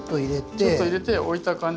ちょっと入れて置いた感じで。